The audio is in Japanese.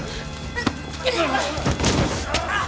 あっ。